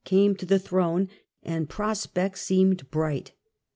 • 1328 1350 the throne, and prospects seemed bright.